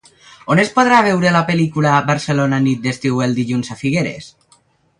On es podrà veure la pel·lícula "Barcelona nit d'estiu" el dilluns a Figueres?